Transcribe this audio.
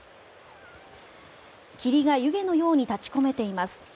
霧が湯気のように立ち込めています。